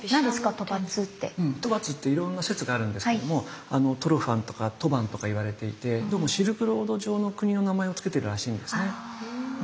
兜跋っていろんな説があるんですけどもトゥルファンとか吐蕃とか言われていてどうもシルクロード上の国の名前を付けてるらしいんですね。